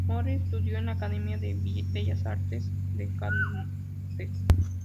Moore estudió en la Academia de Bellas artes de Nantes.